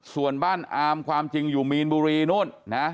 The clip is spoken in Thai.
ส่วนบ้านอามความจริงอยู่มีนบุรีนู่นนะ